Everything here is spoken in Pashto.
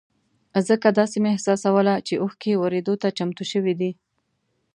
ځکه داسې مې احساسوله چې اوښکې ورېدو ته چمتو شوې دي.